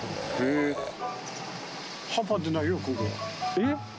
えっ？